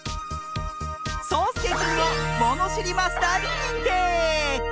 そうすけくんをものしりマスターににんてい！